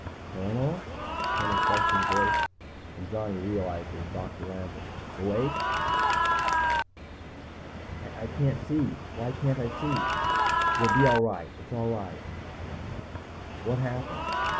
"Colonel?" came a questing voice, and Johnny realized it was Doctor Lambert. "Awake?" "I can't see. Why can't I see?" "You'll be all right. It's all right." "What happened?"